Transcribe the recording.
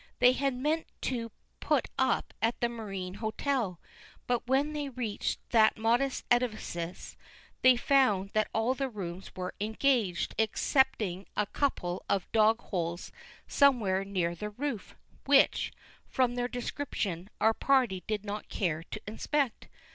They had meant to put up at the Marine Hotel, but when they reached that modest edifice they found that all the rooms were engaged, excepting a couple of dog holes somewhere near the roof, which, from their description, our party did not care to inspect.